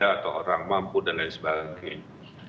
atau orang mampu dan lain sebagainya